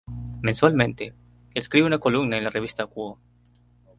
Mensualmente, escribe una columna en la revista Quo.